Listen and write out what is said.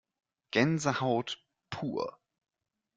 Gänsehaut pur!